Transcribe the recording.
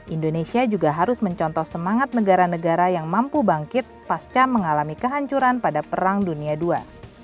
indonesia juga harus mencontoh semangat negara negara yang mampu bangkit pasca mengalami kehancuran pada perang dunia ii